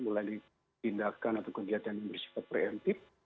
mulai di tindakan atau kegiatan yang bersifat preventif